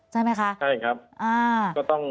ใช่ไหมคะใช่ครับ